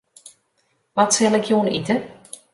Wat sil ik jûn ite?